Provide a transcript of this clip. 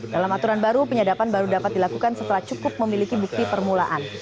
dalam aturan baru penyadapan baru dapat dilakukan setelah cukup memiliki bukti permulaan